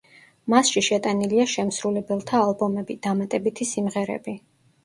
მასში შეტანილია შემსრულებელთა ალბომები, დამატებითი სიმღერები.